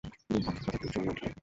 দুই পক্ষে কথা খুব জমিয়া উঠিল।